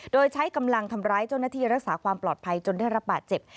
โดยใช้กำลังทำร้ายเจ้าหน้าที่รักษาความปลอดภัยจนได้รับบาดเจ็บ